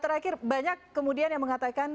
terakhir banyak yang mengatakan